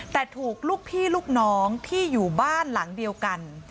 แต่ถูกลูกพี่ลูกน้องที่อยู่บ้านหลังเดียวกัน